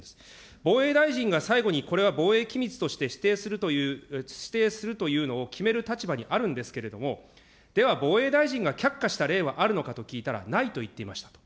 防衛大臣が最後にこれは防衛機密として指定するというのを決める立場にあるんですけれども、では、防衛大臣が却下した例はあるのかと聞いたら、ないと言っていました。